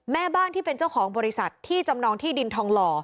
แม่บ้านที่เป็นเจ้าของบริษัทที่จำนองที่ดินทองหล่อ